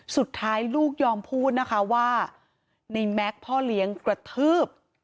สุดท้ายลูกยอมพูดนะคะว่าในแม็กซ์พ่อเลี้ยงกระทืบ